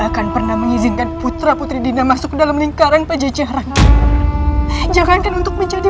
akan pernah mengizinkan putra putri dinda masuk dalam lingkaran pejejaran jangankan untuk menjadi